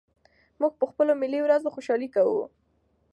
موږ په خپلو ملي ورځو خوشالي کوو.